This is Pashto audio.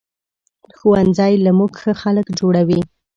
ښوونځی له مونږ ښه خلک جوړوي